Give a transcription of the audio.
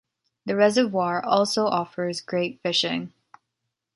The reservoir also offers great fishing.